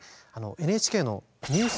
ＮＨＫのニュース